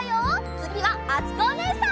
つぎはあつこおねえさん。